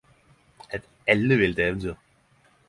Eit ellevilt eventyr!